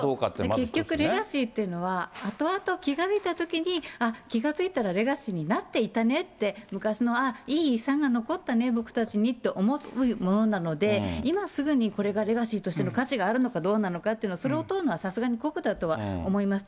結局、レガシーっていうのは、あとあと気付いたときに、あっ、気が付いたらレガシーになっていたねって、昔の、ああ、いい遺産が残ったね、僕たちにって思うものなので、今すぐにこれがレガシーとしての価値があるのかどうなのかというのは、それを問うのはさすがに酷だと思います。